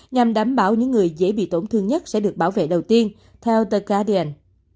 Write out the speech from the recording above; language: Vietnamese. nhằm đảm bảo những người dễ bị tổn thương nhất sẽ được bảo vệ đầu tiên theo the guardian